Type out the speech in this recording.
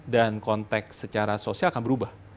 dan konteks secara sosial akan berubah